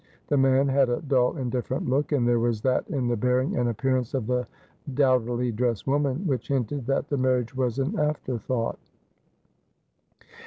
The man had a dull indifferent look, and there was that in the ..bearing and appearance of the dowdily dressed woman which hinted that the marriage was an after thought.